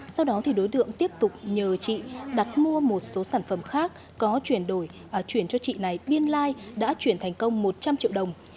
sau đó thì đối tượng tiếp tục nhờ chị đặt mua một số sản phẩm khác có chuyển đổi chuyển cho chị này biên lai đã chuyển thành công một trăm linh triệu đồng